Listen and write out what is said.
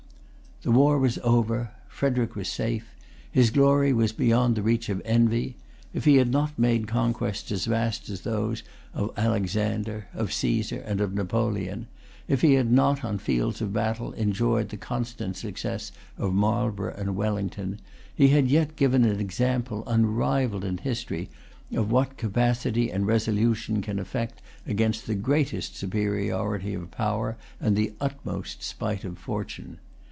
The war was over. Frederic was safe. His glory was beyond the reach of envy. If he had not made conquests as vast as those of Alexander, of Cæsar, and of Napoleon, if he had not, on fields of battle, enjoyed the constant success of Marlborough and Wellington, he had yet given an example unrivalled in history of what capacity and resolution can effect against the greatest superiority of power and the utmost spite of fortune.